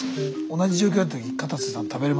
同じ状況だった時片瀬さん食べれます？